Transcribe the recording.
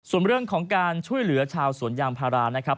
ส่วนเรื่องของการช่วยเหลือชาวสวนยางพารานะครับ